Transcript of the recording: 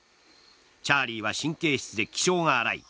チャーリーは神経質で気性が荒い。